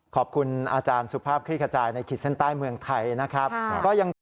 ขอบคุณอาจารย์สุภาพคลิกระจายในขีดแส้นใต้เมืองไทย